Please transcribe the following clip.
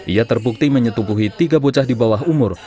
ia terbukti menyetubuhi tiga bocah di bawah umur